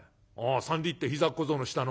三里って膝小僧の下の？